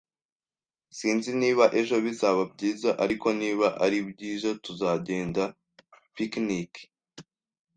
Sinzi niba ejo bizaba byiza, ariko niba ari byiza tuzagenda picnic